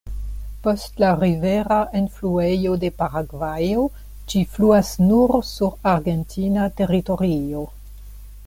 Post la rivera enfluejo de Paragvajo, ĝi fluas nur sur argentina teritorio.